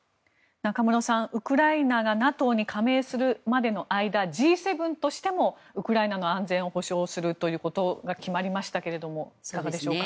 中室さん、ウクライナがＮＡＴＯに加盟するまでの間Ｇ７としてもウクライナの安全を保障するということが決まりましたけれどもいかがでしょうか。